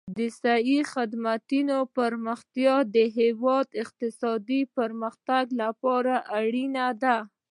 د صحي خدماتو پراختیا د هېواد اقتصادي پرمختګ لپاره اړین دي.